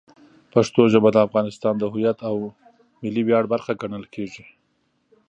پښتو ژبه د افغانستان د هویت او ملي ویاړ برخه ګڼل کېږي.